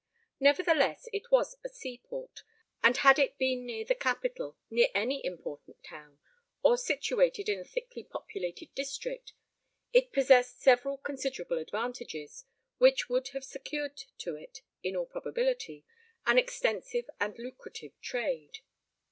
Nevertheless, it was a sea port; and had it been near the capital, near any important town, or situated in a thickly populated district, it possessed several considerable advantages, which would have secured to it, in all probability, an extensive and lucrative trade.